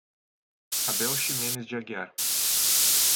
Abel Ximenes de Aguiar